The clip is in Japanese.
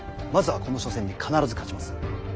まずはこの緒戦に必ず勝ちます。